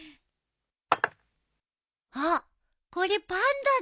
あっこれパンダだ。